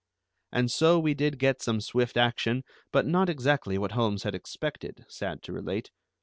And so we did get some swift action, but not exactly what Holmes had expected, sad to relate.